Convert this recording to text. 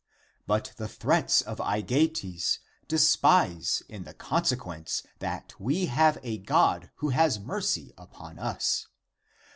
But the threats of Aegeates despise in the consciousness that we have a God who has mercy upon us.